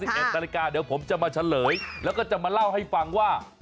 ๑นาฬิกาเดี๋ยวผมจะมาเฉลยแล้วก็จะมาเล่าให้ฟังว่า